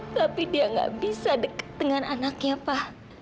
tapi dia gak bisa dekat dengan anaknya pa